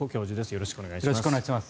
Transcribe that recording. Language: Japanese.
よろしくお願いします。